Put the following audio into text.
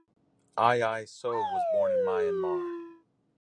Aye Aye Soe was born in Myanmar.